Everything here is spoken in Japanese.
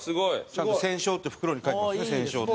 ちゃんと「仙商」って袋に書いてますね「仙商」って。